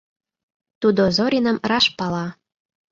Тудо Зориным раш пала...